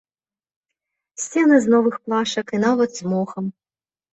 Сцены з новых плашак і нават з мохам.